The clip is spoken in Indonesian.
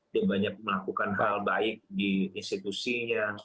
dia banyak melakukan hal baik di institusinya